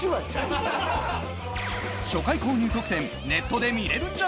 初回購入特典ネットで見れるんじゃ！！